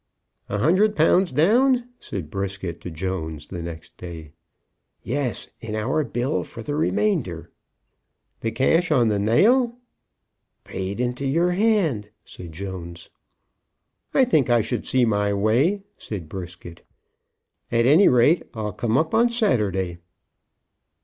"A hundred pounds down?" said Brisket to Jones the next day. "Yes, and our bill for the remainder." "The cash on the nail." "Paid into your hand," said Jones. "I think I should see my way," said Brisket; "at any rate I'll come up on Saturday."